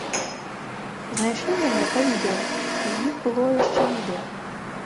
Знайшлі мяне па відэа, у іх было яшчэ відэа.